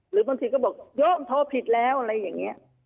หรือบางทีก็บอกยอมโทรผิดแล้วอะไรอย่างนี้